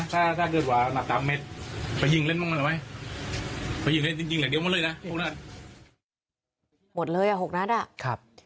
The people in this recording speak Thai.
หมดเลยอ่ะ๖นัดอ่ะ